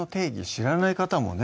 知らない方もね